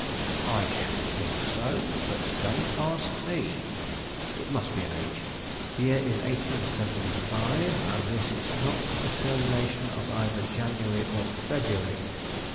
"I should think so; but don't ask me." "It must be an h. The year is 1875, and this is not the termination of either January or February.